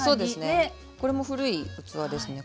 これも古い器ですね。